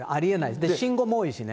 で、信号も多いしね。